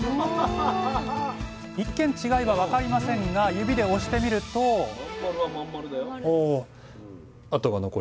一見違いは分かりませんが指で押してみるとああ。